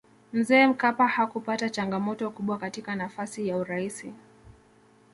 mzee mkapa hakupata changamoto kubwa katika nafasi ya uraisi